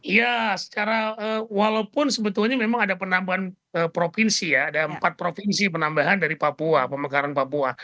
ya secara walaupun sebetulnya memang ada penambahan provinsi ya ada empat provinsi penambahan dari papua pemekaran papua